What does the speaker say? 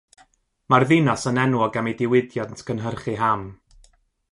Mae'r ddinas yn enwog am ei diwydiant cynhyrchu ham.